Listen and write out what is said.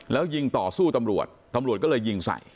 แล้วยิงต่อสู้ตำรวจตำรวจก็เลยยิงใส่